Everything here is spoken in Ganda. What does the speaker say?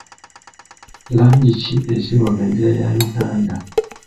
Langi ki eziri mu bendera ya Uganda?